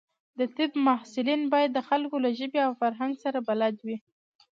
د طب محصلین باید د خلکو له ژبې او فرهنګ سره بلد وي.